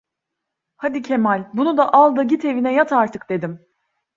Hadi Kemal, bunu da al da git evine yat artık! dedim.